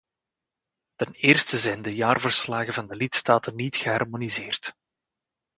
Ten eerste zijn de jaarverslagen van de lidstaten niet geharmoniseerd.